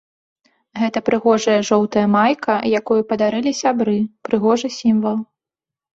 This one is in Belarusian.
Гэта прыгожая жоўтая майка, якую падарылі сябры, прыгожы сімвал.